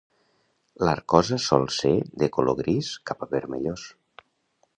L'arcosa sol ser de color gris cap a vermellós.